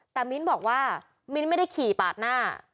แต่มินบอกว่ามินไม่ได้ขี่ปากหน้า